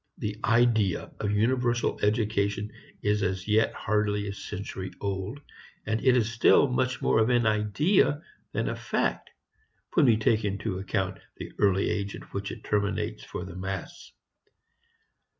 The idea of universal education is as yet hardly a century old, and it is still much more of an idea than a fact, when we take into account the early age at which it terminates for the mass.